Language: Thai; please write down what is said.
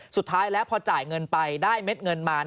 สุดท้ายแล้วพอจ่ายเงินไปได้เม็ดเงินมา